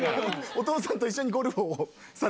お父さんと一緒にゴルフをさ